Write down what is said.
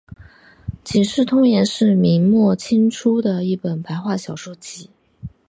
警世通言是明末清初的一本白话小说集。